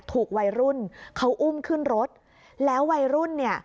ถูกวัยรุ่นเขาอุ้มขึ้นรถแล้ววัยรุ่นเนี่ย